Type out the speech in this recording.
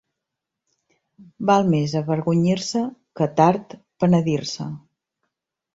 Val més avergonyir-se que tard penedir-se.